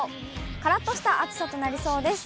からっとした暑さとなりそうです。